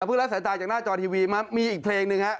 พึ่งแล้วสายตายจากหน้าจอทีวีมั้ยมีอีกเพลงหนึ่งครับ